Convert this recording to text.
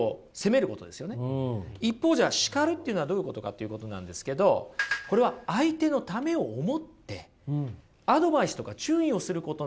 一方じゃ叱るというのはどういうことかっていうことなんですけどこれは相手のためを思ってアドバイスとか注意をすることなんですね。